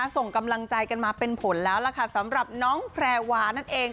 ส่งกำลังใจกันมาเป็นผลแล้วล่ะค่ะสำหรับน้องแพรวานั่นเอง